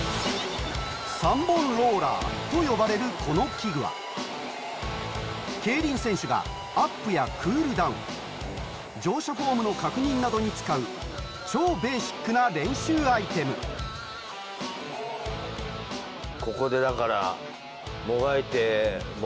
３本ローラーと呼ばれるこの器具は競輪選手がアップやクールダウン乗車フォームの確認などに使う超ベーシックな練習アイテムすごい。